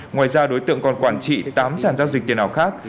ngoài ra đối tượng còn quản trị tám sản giao dịch tiền ảo khác